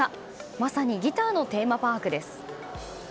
まさにギターのテーマパークです。